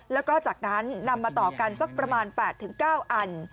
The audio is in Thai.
แล้วก็จากนั้นนำมาต่อกันสักประมาณ๘๙อัน